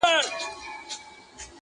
د تيارو سي ورته مخ د ورځو شا سي -